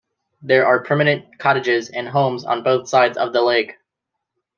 There are permanent cottages and homes on both sides of the lake.